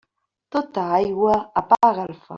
Tota aigua apaga el foc.